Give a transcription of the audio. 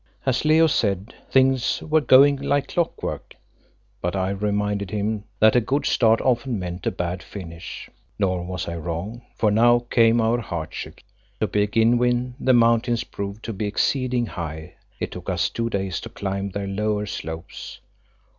As Leo said, things were "going like clockwork," but I reminded him that a good start often meant a bad finish. Nor was I wrong, for now came our hardships. To begin with, the mountains proved to be exceeding high; it took us two days to climb their lower slopes.